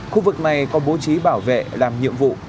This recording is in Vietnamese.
khu vực này có bố trí bảo vệ làm nhiệm vụ